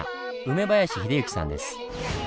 梅林秀行さんです。